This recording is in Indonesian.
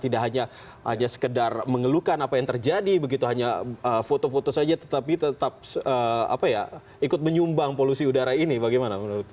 tidak hanya sekedar mengeluhkan apa yang terjadi begitu hanya foto foto saja tetapi tetap ikut menyumbang polusi udara ini bagaimana menurut anda